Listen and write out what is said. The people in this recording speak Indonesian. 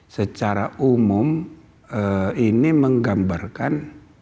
secara umum ini menggambarkan